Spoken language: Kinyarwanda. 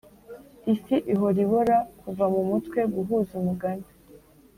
ifi ihora ibora kuva mumutwe guhuza umugani